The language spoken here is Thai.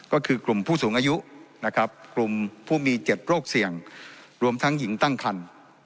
ก็คือกลุ่มผู้สูงอายุนะครับกลุ่มผู้มี๗โรคเสี่ยงรวมทั้งหญิงตั้งคัน